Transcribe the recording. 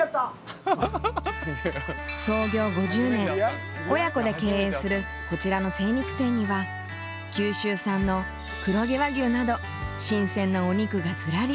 創業５０年親子で経営するこちらの精肉店には九州産の黒毛和牛など新鮮なお肉がずらり。